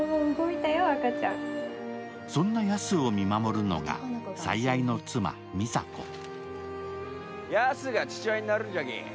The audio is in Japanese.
そんなヤスを見守るのが最愛の妻、美佐子。